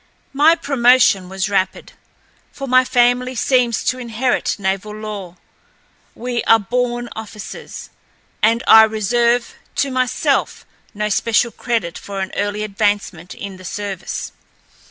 My promotion was rapid, for my family seems to inherit naval lore. We are born officers, and I reserve to myself no special credit for an early advancement in the service.